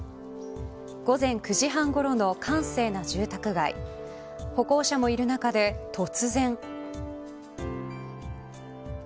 午前９時半ごろの閑静な住宅街歩行者もいる中で突然。